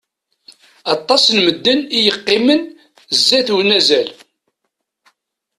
Aṭas n medden i yeqqimen zzat unazal.